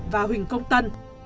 và huỳnh công tân